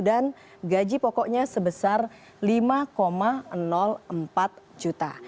dan gaji pokoknya sebesar rp lima lima juta